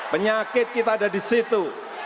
penyakit kita ada di situ